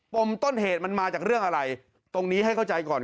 มต้นเหตุมันมาจากเรื่องอะไรตรงนี้ให้เข้าใจก่อน